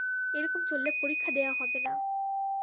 এরকম চললে পরীক্ষা দেয়া হবে না।